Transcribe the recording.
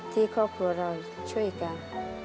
ที่ครอบครัวเราช่วยกัน